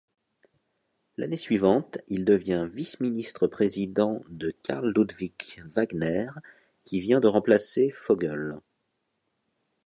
L'année suivante, il devient Vice-ministre-président de Carl-Ludwig Wagner, qui vient de remplacer Vogel.